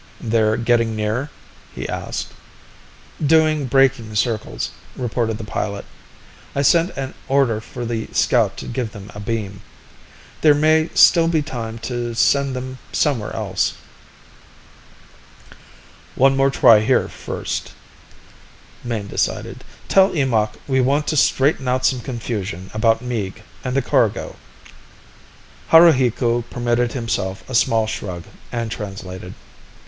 "They're getting near?" he asked. "Doing braking circles," reported the pilot. "I sent an order for the scout to give them a beam. There may still be time to send them somewhere else " "One more try here first," Mayne decided. "Tell Eemakh we want to straighten out some confusion about Meeg and the cargo." Haruhiku permitted himself a small shrug and translated.